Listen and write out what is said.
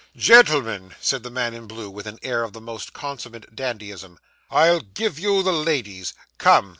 'Gentlemen,' said the man in blue, with an air of the most consummate dandyism, 'I'll give you the ladies; come.